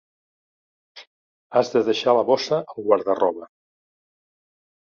Has de deixar la bossa al guarda-roba.